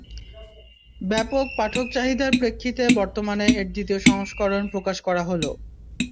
ব্যাপক পাঠকচাহিদার প্রেক্ষিতে বর্তমানে এর দ্বিতীয় সংস্করণ প্রকাশ করা হলো।